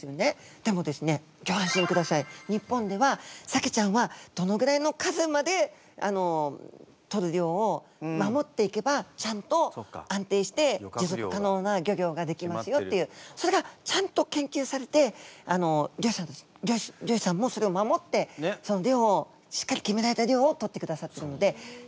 日本ではサケちゃんはどのぐらいの数までとる量を守っていけばちゃんと安定して持続可能な漁業ができますよっていうそれがちゃんと研究されて漁師さんもそれを守ってしっかり決められた量をとってくださってるので大丈夫です。